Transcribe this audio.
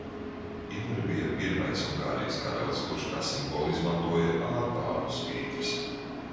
"Imre bija pirmais Ungārijas karalis, kurš kā simbolu izmantoja "Ārpādu svītras"."